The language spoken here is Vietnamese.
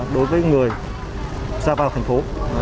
đối với người ra vào thành phố